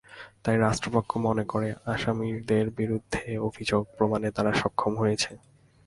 তাই রাষ্ট্রপক্ষ মনে করে, আসামিদের বিরুদ্ধে অভিযোগ প্রমাণে তারা সক্ষম হয়েছে।